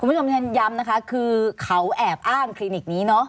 คุณผู้ชมย้ำนะคะคือเขาแอบอ้างคลินิกนี้เนอะ